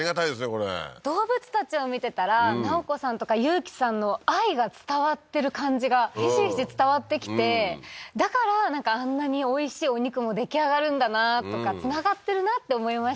これ動物たちを見てたら奈緒子さんとか雄喜さんの愛が伝わってる感じがひしひし伝わってきてだからあんなにおいしいお肉も出来上がるんだなとかつながってるなって思いました